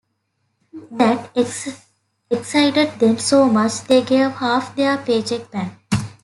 That excited them so much, they gave half their paycheck back.